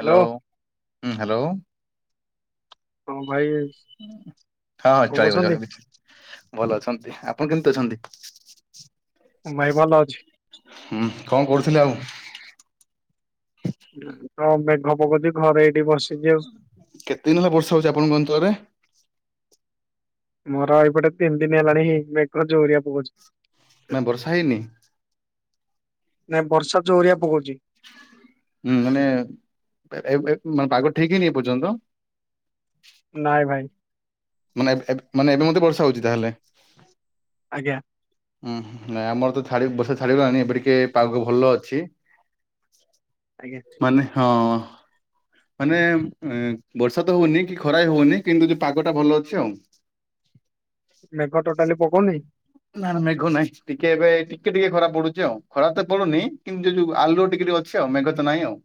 Hello hello ହୁଁ hello. ହଁ ଭାଇ ହଁ କଣ ଚଳିିବ କରୁଛନ୍ତି? ଚଳିବ। ଭଲ ଅଛନ୍ତି ଆପଣ କେମିତି ଅଛନ୍ତି? ମୁଁ ଭାଇ ଭଲ ଅଛି। ହୁଁ କଣ କରୁଥିଲେ ଆଉ। ତ ମେଘ ପକଉଛି ଘରେ ଏଇଠି ବସିଛି ଆଉ। କେତେ ଦିନ ହେଲା ବର୍ଷା ହଉଛି ଆପଣଙ୍କ ଅଚଳରେ? ମୋର ଏଇପଟେ ତିନି ଦିନ ହେଲାଣିଁ ମେଘ ଜୋରିଆ ପକଉଛି। ନାଁ ବର୍ଷା ହେଇନି। ନାଇଁ ବର୍ଷା ଯୋଓଉରିଆ ପକଉଚି। ହୁଁ ମାନେ ଏ ଏ ପାଗ ଠିକ ହେଇନି ଏ ପର୍ଯ୍ୟନ୍ତ? ନାଇଁ ଭାଇ। ମାନେ ଏବ୍ ଏବ୍ ମାନେ ଏବେ ମତେ ବର୍ଷା ହଉଚି ତାହେଲେ। ଆଜ୍ଞା। ଉୁଁ ନାଇଁ ଆମର ତ ଛା ବର୍ଷା ଛାଡିଗଲାଣି ଏବେ ଟିକେ ପାାଗ ଭଲ ଅଛି। ଆଜ୍ଞା। ମାନେ ହଁ। ମାନେ ଏ ବର୍ଷା ତ ହଉନି କି ଖରା ବି ହଉନି କିନ୍ତୁ ଯୋଉ ପାଗ ଟା ଭଲ ଅଛି ଆଉ। ମେଘ ଟୋଟାଲି ପକଉନି। ନା ନା ମେଘ ନାଇଁ ଟିକେ ଏବେ ଟିକେ ଟିକେ ଖରା ପଡୁଚି ଆଉ ଖରା ତ ପଡୁନି କିନ୍ତୁ ଯଉ ଯୋଉ ଆଲୁଅ ଟିକେ ଟିକେ ଅଛି ଅଛି ଆଉ ମେଘ ତ ନାଇଁ ଆଉ।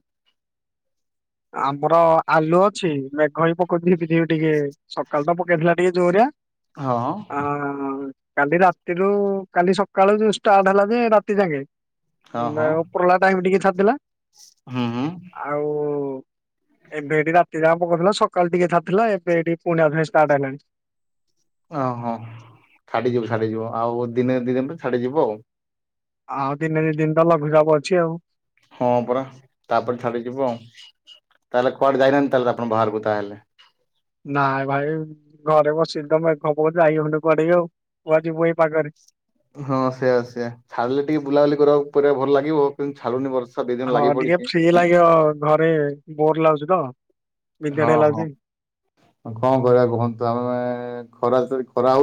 ଆମ୍ବର ଆଲୁଅ ଅଛି ମେଘ ବି ପକଉଚି ଟିକେ ଟିକେ। ସକାଳ ତ ପକେଇଥିଲା ଟିକେ ଜୋରିଆ? ହଁ। ଅ କାଲି ରାତିରୁ କାଲି ସକାଳୁ ଯୋଉ ଷ୍ଟାର୍ଟ ହେଲା ଯେ ରାତି ଯାକେ ନା ଉପରଳା ଟାଇମ ଟିକେ ଛାଡିିଥିଲା। ହଁ। ଆଉ ଏବେ ଏଠି ରାତି ଯା ପକଉଥିଲା ସକାଳୁ ଟିକେ ଛାଡ଼ି ଥିଲା ଏବେ ଏଠି ପୁଣି ଆଉଥରେ ଷ୍ଟାର୍ଟ ହେଲାଣି। ଓହଁ ଛାଡିଯିବ ଛାଡିଯିବ ଆଉ ଦିନେ ଦି ଦିନରେ ଛାଡିଯିବ ଆଉ। ଆଉ ଦିନେ ଦି ଦିନ ତ ଲଘୁଚାପ ଅଛି ଆଉ। ହଁ ପରା ତାପରେ ଛାଡି ଯିବ ଆଉ। ତାହେଲେ କୁଆଡେ ଯାଇନାହାନ୍ତି ତାହେଲେ ଆପଣ ବାହାରକୁ ତାହେଲେ? ନାଇଁ ଭାଇ ଘରେ ବସିଚୁ ତ ମେଘ ଫେଘ ଯାଇ ହଉନି ତ କୁଆଡ଼େ କି ଆଉ କୁଆଡ଼େ ଯିବୁ ଏଇ ପାଗରେ। ହଁ ସେଇଆ ସେଆ ଛାଡିଲେ ଟିକେ ବୁଲାବୁଲି କରିବା ବାକୁ ଭଲ ଲାଗିବ କିନ୍ତୁ ଛାଡୁନି ବର୍ଷା। ତ ଦି ଦିନ ଲାଗି ପଡିଚି। ଧିକ ଘରେ ବୋର ଲାଗୁଛି ତ। ହଁ ବିଜାର ହଁ ଲାଗୁଛି। କଣ କରିବା କୁହନ୍ତୁ ଆମେ ଖରା ତ ଖରା ହଉ